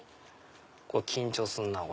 これ緊張するなぁ。